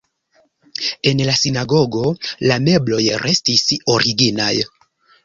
En la sinagogo la mebloj restis originaj.